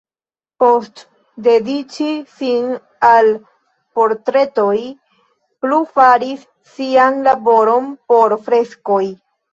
Post dediĉi sin al portretoj plu faris sian laboron por freskoj.